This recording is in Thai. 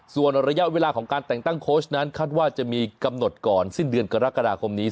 ส่วนระยะเวลาของการแต่งตั้งโค้ชนั้นคาดว่าจะมีกำหนดก่อนสิ้นเดือนกรกฎาคมนี้